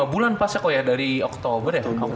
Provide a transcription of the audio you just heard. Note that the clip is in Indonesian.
lima bulan pasnya kok ya dari oktober ya